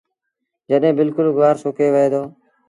جڏهيݩ بلڪُل گُوآر سُڪي وهي دو۔